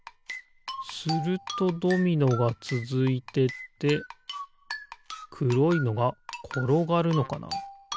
するとドミノがつづいてってくろいのがころがるのかな。